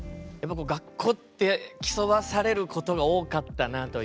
学校って競わされることが多かったなという。